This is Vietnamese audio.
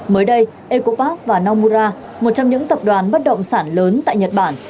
mới đây ecopark và nomura một trong những tập đoàn bất động sản lớn tại nhật bản